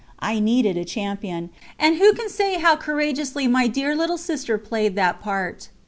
I needed a champion, and who can say how courageously my dear little sister played that part.